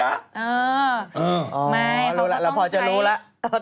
เออไม่เขาก็ต้องใช้อ๋อรู้แล้วเราพอจะรู้แล้ว